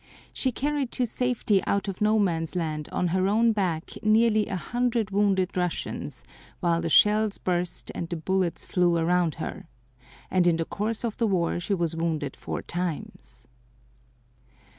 She carried to safety out of No Man's Land on her own back nearly a hundred wounded Russians, while the shells burst and the bullets flew around her, and in the course of the war she was wounded four times.